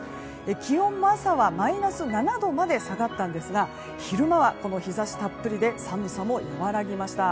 気温も朝はマイナス７度まで下がったんですが昼間はこの日差したっぷりで寒さも和らぎました。